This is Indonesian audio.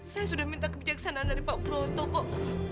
saya sudah minta kebijaksanaan dari pak broto kok